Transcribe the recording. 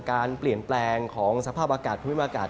การเปลี่ยนแปลงของสภาพอากาศภูมิอากาศ